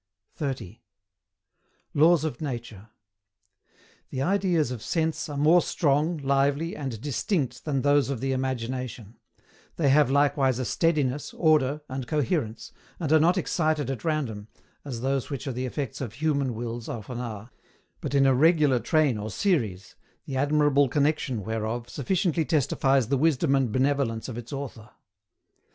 30. LAWS OF NATURE. The ideas of Sense are more strong, lively, and DISTINCT than those of the imagination; they have likewise a steadiness, order, and coherence, and are not excited at random, as those which are the effects of human wills often are, but in a regular train or series, the admirable connexion whereof sufficiently testifies the wisdom and benevolence of its Author.